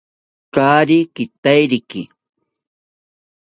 Kaari kitairiki